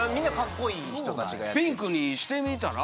ピンクにしてみたら？